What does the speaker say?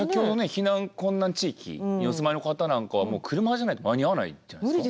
避難困難地域にお住まいの方なんかはもう車じゃないと間に合わないんじゃないですか。